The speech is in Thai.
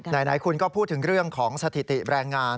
ไหนคุณก็พูดถึงเรื่องของสถิติแรงงาน